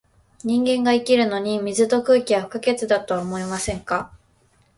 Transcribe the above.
人間が生きるのに、水と空気は不可欠だとは思いませんか？